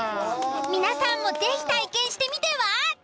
皆さんも是非体験してみては？